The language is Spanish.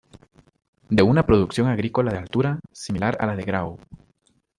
De una producción agrícola de altura, similar a la de Grau.